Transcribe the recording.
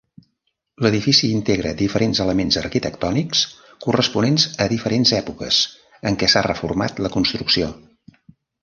L'edifici integra diferents elements arquitectònics corresponents a diferents èpoques en què s'ha reformat la construcció.